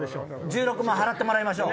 １６万払ってもらいましょ。